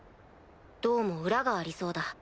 どうも裏がありそうだ。